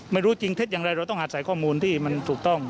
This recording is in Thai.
ไม่รู้จริงเท็จอย่างไรเราต้องอาศัยข้อมูลที่มันถูกต้อง